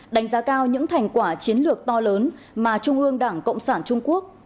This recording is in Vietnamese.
đánh giá cao những thành quả chiến lược to lớn mà trung ương đảng cộng sản